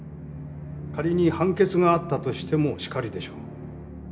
仮に判決があったとしてもしかりでしょう。